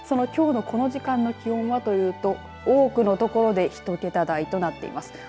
きょうのこの時間の気温はというと多くの所で１桁台となっています。